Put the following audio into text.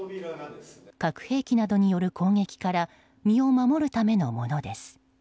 核兵器などによる攻撃から身を守るためのものです。